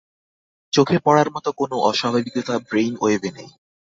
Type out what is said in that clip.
চোখে পড়ার মতো কোনো অস্বাভাবিকতা ব্রেইন ওয়েভে নেই।